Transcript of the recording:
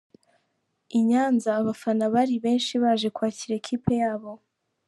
I Nyanza abafana bari benshi baje kwakira ikipe yabo.